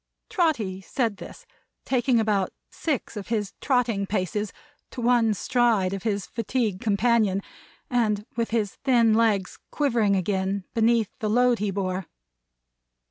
Trotty said this, taking about six of his trotting paces to one stride of his fatigued companion; and with his thin legs quivering again, beneath the load he bore.